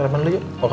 bry eh padahal biasa